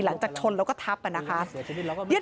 หลังจากชนแล้วก็ทับนะคะ